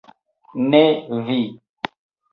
Ne vi.